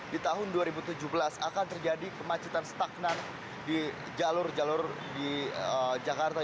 di tahun dua ribu tujuh belas akan terjadi kemacetan stagnan di jalur jalur di jakarta